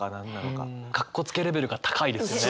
かっこつけレベルが高いですね。